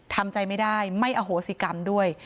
ทำใจไม่ได้ไม่อโหสิกรรมด้วย